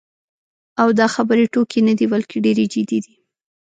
او دا خبرې ټوکې نه دي، بلکې ډېرې جدي دي.